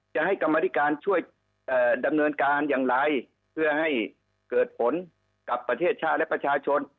จะให้กรรมธิการช่วยดำเนินการอย่างไรเพื่อให้เกิดผลกับประเทศชาติและประชาชน